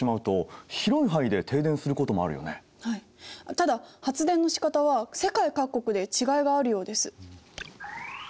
ただ発電のしかたは世界各国で違いがあるようです。